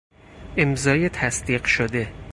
امضای تصدیق شده